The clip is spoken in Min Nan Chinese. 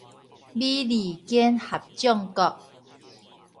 美利堅合眾國